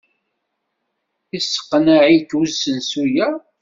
Yesseqneɛ-ik usensu-a?